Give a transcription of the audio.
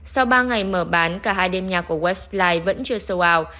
sau ba ngày mở bán cả hai đêm nhà của westlife vẫn chưa show out